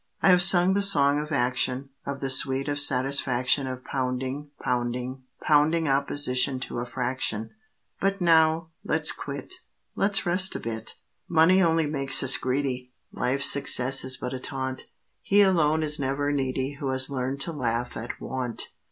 I have sung the song of action, Of the sweet of satisfaction Of pounding, pounding, pounding opposition to a fraction, But now, let's quit; Let's rest a bit. Money only makes us greedy, Life's success is but a taunt. He alone is never needy Who has learned to laugh at want.